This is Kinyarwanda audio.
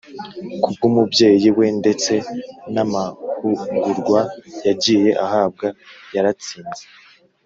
kubw’umubyeyi we ndetse n’amahugurwa yagiye ahabwa yaratsinze,